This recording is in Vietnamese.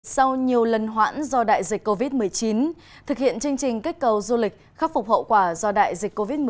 sau nhiều lần hoãn do đại dịch covid một mươi chín thực hiện chương trình kích cầu du lịch khắc phục hậu quả do đại dịch covid một mươi chín